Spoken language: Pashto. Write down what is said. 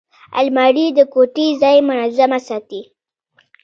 الماري د کوټې ځای منظمه ساتي